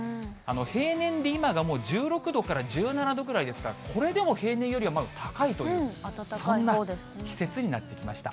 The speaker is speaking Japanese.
平年で今が１６度から１７度ぐらいですから、これでも平年よりはまだ高いという、そんな季節になってきました。